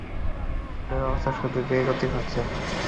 ঝড়ের অবস্থা শুধু বেগতিকই হচ্ছে।